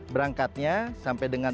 berangkatnya sampai dengan